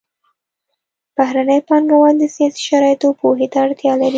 بهرني پانګوال د سیاسي شرایطو پوهې ته اړتیا لري